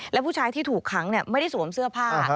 และผู้ชายที่ถูกขังไม่ได้สวมเสื้อผ้า